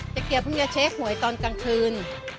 เจ๊เกียวเพิ่งเช็คหมวยตอนกลางคืน